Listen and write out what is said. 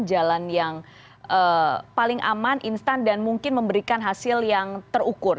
jalan yang paling aman instan dan mungkin memberikan hasil yang terukur